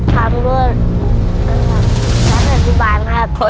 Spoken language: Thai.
ความรู้ระดับชั้นนานุบาลครับ